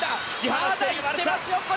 まだいってますよ、これ。